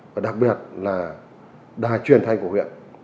và đặc biệt là đài truyền thanh của huyện